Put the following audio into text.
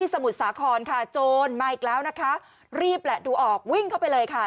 มุทรสาครค่ะโจรมาอีกแล้วนะคะรีบแหละดูออกวิ่งเข้าไปเลยค่ะ